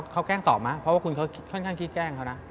เขาแกล้งตอบไหมเพราะว่าคุณเขาค่อนข้างที่แกล้งเขานะ